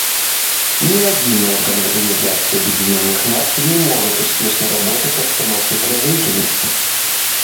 Ни один орган Организации Объединенных Наций не может успешно работать в обстановке подозрительности.